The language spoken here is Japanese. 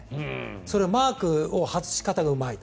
それはマークの外し方がうまいと。